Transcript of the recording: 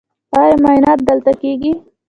ایا معاینات دلته کیږي؟